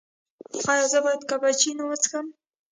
ایا زه باید کاپوچینو وڅښم؟